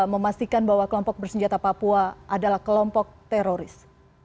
memastikan bahwa kelompok bersenjata papua adalah kelompok teroris